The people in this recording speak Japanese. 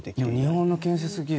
日本の建築技術